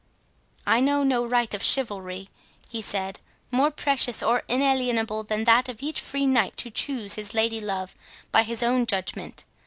"I know no right of chivalry," he said, "more precious or inalienable than that of each free knight to choose his lady love by his own judgment.